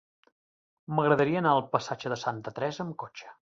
M'agradaria anar al passatge de Santa Teresa amb cotxe.